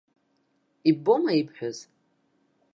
Иббома ибҳәаз?!